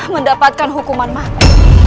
mendapatkan hukuman mati